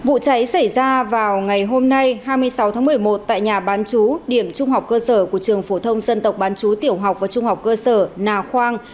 vụ cháy xảy ra vào ngày hôm nay hai mươi sáu tháng một mươi một tại nhà bán chú điểm trung học cơ sở của trường phổ thông dân tộc bán chú tiểu học và trung học cơ sở nà khoang